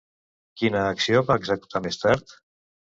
Quina acció va executar més tard?